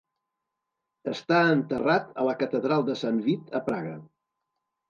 Està enterrat a la catedral de Sant Vit a Praga.